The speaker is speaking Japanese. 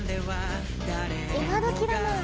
今どきだなあ。